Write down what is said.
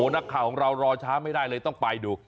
นักข่าวของเรารอช้าไม่ได้เลยต้องไปดู